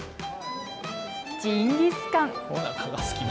ジンギスカン。